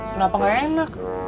kenapa gak enak